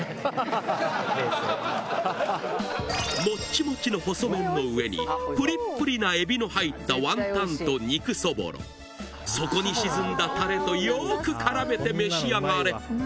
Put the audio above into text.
もっちもちの細麺の上にぷりっぷりなエビの入ったワンタンと肉そぼろ底に沈んだタレとよく絡めて召し上がれ！